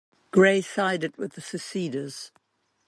Gray sided with the seceders.